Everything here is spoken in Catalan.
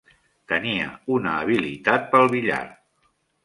Tenia una habilitat pel billar.